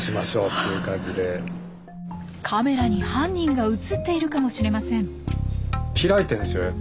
カメラに犯人が写っているかもしれません。